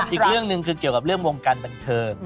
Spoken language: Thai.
อีกเรื่องหนึ่งคือเกี่ยวกับเรื่องวงการบันเทิง